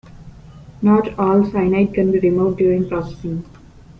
Not all cyanide can be removed during processing.